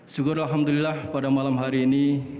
syukur alhamdulillah pada malam hari ini